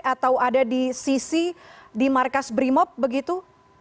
atau ada di sisi di markas brimob begitu